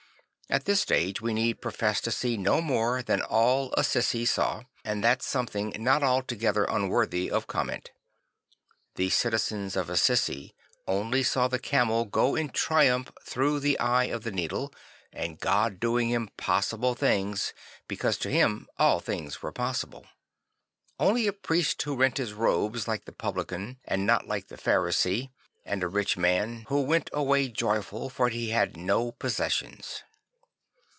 A t this stage \ve need profess to see no more than all Assisi sa w, and that something not altogether un\vorthy of comment. The citizens of Assisi only saw the camel go in triumph through the eye of the needle and God doing impossible things because to him all things were possible; only a priest who rent his robes like the Publican and n( t like the Pharisee and a rich man \vho went away joyful, for he had no possessions.